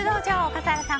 笠原さん